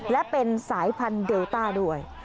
และเป็นสายพันธุ์เดลต้าด้วย